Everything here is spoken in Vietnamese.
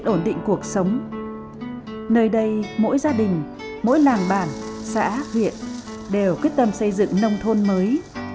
mỗi gia đình mỗi làng bản xã huyện đều quyết tâm xây dựng nông thôn mới